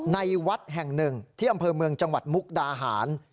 ในวัดแห่งหนึ่งที่อำเภอเมืองจังหวัดมุกดาหาร